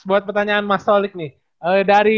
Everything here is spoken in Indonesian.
buat pertanyaan mas solik nih